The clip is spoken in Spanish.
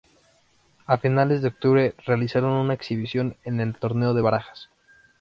A finales de octubre realizaron una exhibición en el Torneo de Barajas.